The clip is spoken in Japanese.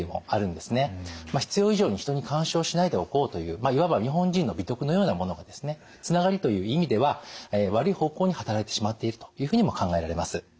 必要以上に人に干渉しないでおこうといういわば日本人の美徳のようなものがですねつながりという意味では悪い方向に働いてしまっているというふうにも考えられます。